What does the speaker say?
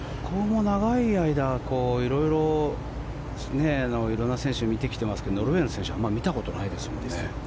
長い間色んな選手を見てきてますけどノルウェーの選手はあまり見たことがないですよね。